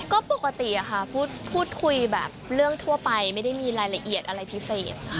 ก็ปกติค่ะพูดคุยแบบเรื่องทั่วไปไม่ได้มีรายละเอียดอะไรพิเศษ